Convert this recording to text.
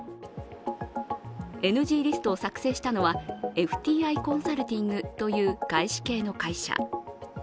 ＮＧリストを作成したのはＦＴＩコンサルティングという外資系の会社。